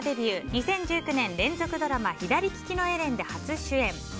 ２０１９年連続ドラマ「左ききのエレン」で初主演。